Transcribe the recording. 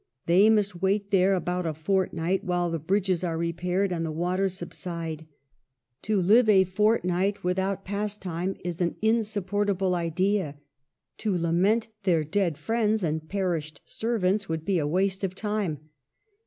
They must wait there about a fortnight while the bridges are repaired and the waters subside. To live a fortnight without pas time is an insupportable idea. To lament their dead friends and perished servants would be a waste of time.